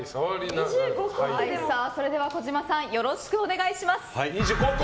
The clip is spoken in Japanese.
では児嶋さんよろしくお願いします。